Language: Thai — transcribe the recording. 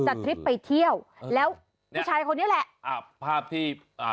ทริปไปเที่ยวแล้วผู้ชายคนนี้แหละอ่าภาพที่อ่า